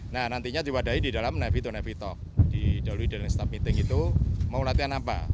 nah nantinya diwadahi di dalam nevi talk di dalu idelan staff meeting itu mau latihan apa